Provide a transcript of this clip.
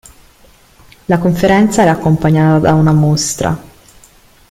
La conferenza era accompagnata da una mostra.